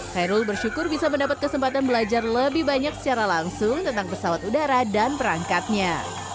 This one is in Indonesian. khairul bersyukur bisa mendapat kesempatan belajar lebih banyak secara langsung tentang pesawat udara dan perangkatnya